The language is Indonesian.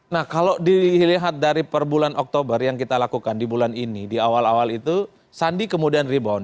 nah kalau dilihat dari per bulan oktober yang kita lakukan di bulan ini di awal awal itu sandi kemudian rebound